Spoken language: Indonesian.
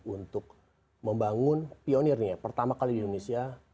untuk membangun pionirnya pertama kali di indonesia